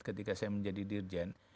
ketika saya menjadi dirjen